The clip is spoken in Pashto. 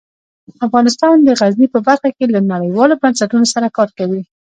افغانستان د غزني په برخه کې له نړیوالو بنسټونو سره کار کوي.